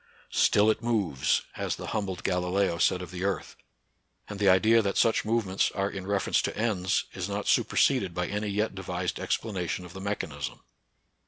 " Still it moves," as the humbled Galileo said of the earth ; and the idea that such movements are in reference to ends is not superseded by any yet devised ex planation of the mechanism.